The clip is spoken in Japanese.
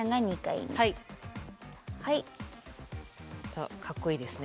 あっかっこいいですね。